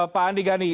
pak andi gani